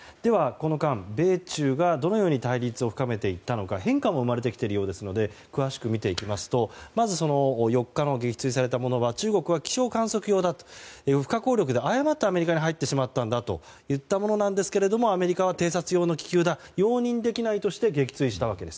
この間、米中がどのように対立を深めていったのか変化も生まれてきているようですので詳しく見ていきますとまず、４日の撃墜されたものは中国は気象観測用だと不可抗力で誤ってアメリカに入ってしまったものだといったものですがアメリカは偵察用の気球だ容認できないとして撃墜したわけです。